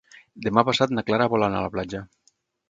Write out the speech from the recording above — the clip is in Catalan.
Demà passat na Clara vol anar a la platja.